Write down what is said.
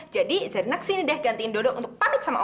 jadi zarina kesini deh gantiin dodo untuk pamit sama om